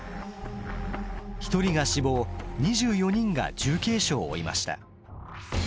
１人が死亡２４人が重軽傷を負いました。